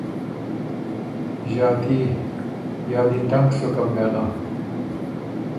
ݫاتي یا دی تنګ سُکم نېله۔